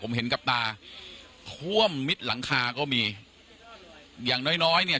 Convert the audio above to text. ผมเห็นกับตาท่วมมิดหลังคาก็มีอย่างน้อยน้อยเนี่ย